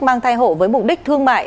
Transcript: mang thai hộ với mục đích thương mại